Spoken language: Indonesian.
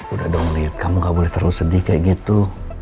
udah dua menit kamu gak boleh terlalu sedih kayak gitu